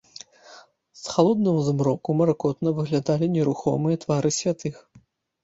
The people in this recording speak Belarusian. З халоднага змроку маркотна выглядалі нерухомыя твары святых.